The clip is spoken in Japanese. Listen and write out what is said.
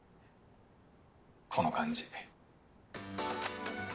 この感じ。